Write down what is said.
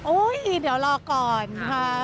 เดี๋ยวรอก่อนค่ะ